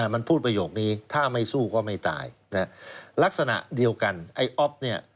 มันพูดประโยคนี้ถ้าไม่สู้ก็ไม่ตายนะฮะลักษณะเดียวกันไอ้อ๊อฟเนี่ย